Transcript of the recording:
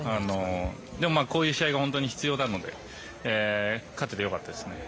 でもまあ、こういう試合が本当に必要なので、勝ててよかったですね。